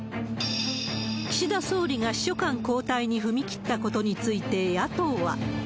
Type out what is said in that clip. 岸田総理が秘書官交代に踏み切ったことについて、野党は。